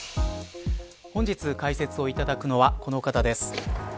本日、解説をいただくのはこの方です。